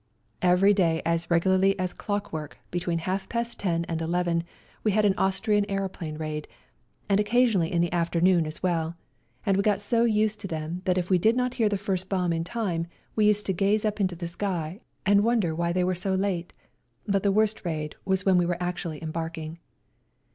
Every day as regularly as clockwork, between half past ten and eleven, we had an Austrian aeroplane raid, and occasionally in the afternoon as well, and 198 WE GO TO CORFU we got so used to them that if we did not hear the first bomb in time we used to gaze up into the sky and wonder why they were so late, but the worst raid was when we were actually embarking.